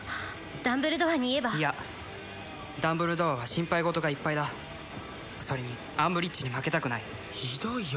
ダンブルドアに言えばいやダンブルドアは心配事がいっぱいだそれにアンブリッジに負けたくないひどいよ